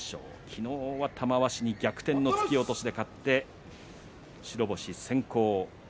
昨日は玉鷲に逆転の突き落としで勝って白星先行。